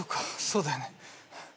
そうだよね。